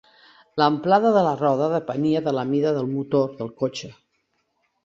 L'amplada de la roda depenia de la mida del motor del cotxe.